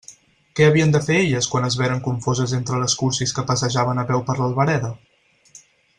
Què havien de fer elles quan es veren confoses entre les cursis que passejaven a peu per l'Albereda?